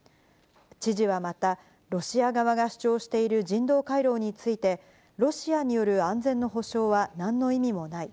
知事はまた、ロシア側が主張している人道回廊について、ロシアによる安全の保証はなんの意味もない。